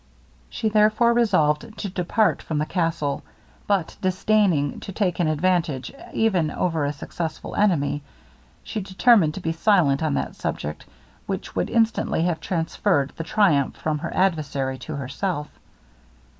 She therefore resolved to depart from the castle; but disdaining to take an advantage even over a successful enemy, she determined to be silent on that subject which would instantly have transferred the triumph from her adversary to herself.